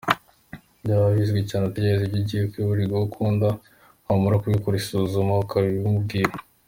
Byaba byiza ugiye utekereza ibyo ugiye kubwira uwo ukunda, wamara kubikorera isuzuma, ukabimubwira.